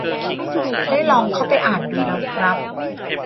ได้ลองเข้าไปอ่านดูแล้วครับ